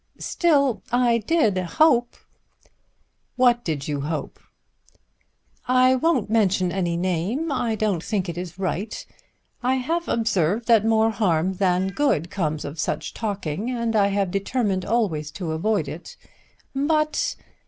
"Still I did hope " "What did you hope?" "I won't mention any name. I don't think it is right. I have observed that more harm than good comes of such talking, and I have determined always to avoid it. But